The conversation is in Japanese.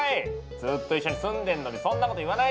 ずっと一緒に住んでんのにそんなこと言わないで！